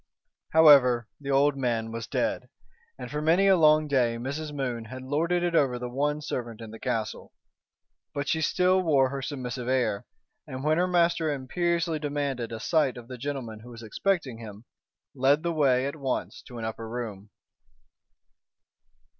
However, the old man was dead, and for many a long day Mrs. Moon had lorded it over the one servant in the castle. But she still wore her submissive air, and when her master imperiously demanded a sight of the gentleman who was expecting him, led the way at once to an upper room.